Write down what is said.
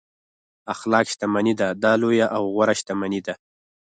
اخلاق شتمني ده دا لویه او غوره شتمني ده.